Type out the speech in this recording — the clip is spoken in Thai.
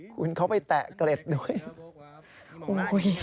คุณเขาไปแตะเกล็ดด้วย